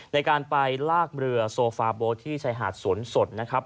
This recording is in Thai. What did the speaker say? ในการไปลากเรือโซฟาโบ๊ทที่ชายหาดสวนสดนะครับ